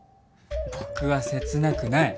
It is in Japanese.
僕は切なくない。